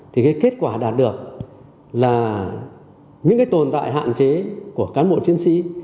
thì kết quả đạt được là những tồn tại hạn chế của cán bộ chiến sĩ